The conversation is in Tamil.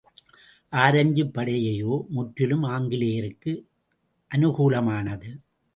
ஆரஞ்சுப் படையையோ, முற்றிலும் ஆங்கிலேயருக்கு அநுகூலமானது.